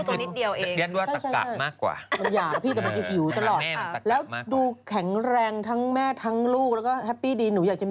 ผู้พี่สาวต้องไว้เลยค่ะมาดูชม